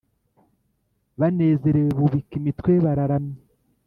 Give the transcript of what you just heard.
banezerewe bubika imitwe bararamya